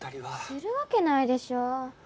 するわけないでしょ。